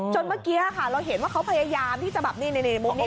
เมื่อกี้ค่ะเราเห็นว่าเขาพยายามที่จะแบบนี่มุมนี้